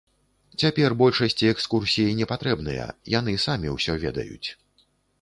Цяпер большасці экскурсіі непатрэбныя, яны самі ўсё ведаюць.